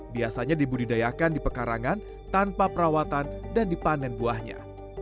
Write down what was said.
biasanya dibudidayakan di pekarangan tanpa perawatan dan dipanen buahnya